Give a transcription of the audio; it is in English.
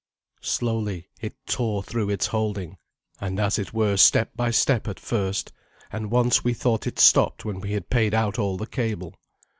Slowly it tore through its holding, and as it were step by step at first, and once we thought it stopped when we had paid out all the cable.